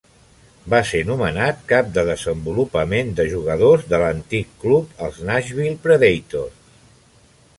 Va ser nomenat cap de desenvolupament de jugadors de l'antic club, els Nashville Predators.